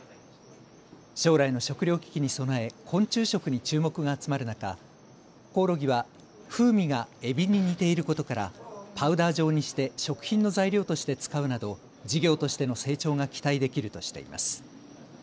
将来の食料危機に備え昆虫食に注目が集まる中コオロギは風味がえびに似ていることからパウダー状にして食品の材料として使うなど事業としての成長が期待できるとしています。